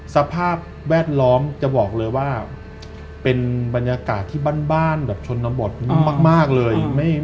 สภาพแวดล้อมจะบอกเลยว่าเป็นบรรยากาศที่บ้านแบบชนบทมากเลย